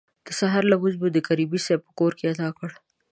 د سهار لمونځ مو د کریمي صیب په کور کې ادا کړ.